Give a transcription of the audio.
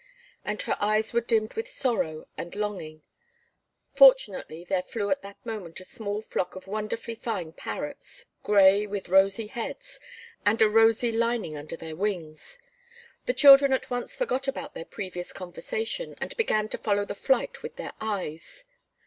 And her eyes were dimmed with sorrow and longing. Fortunately there flew at that moment a small flock of wonderfully fine parrots, gray, with rosy heads, and a rosy lining under their wings. The children at once forgot about their previous conversation and began to follow the flight with their eyes.